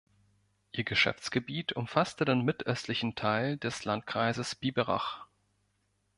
Ihr Geschäftsgebiet umfasste den mitt-östlichen Teil des Landkreises Biberach.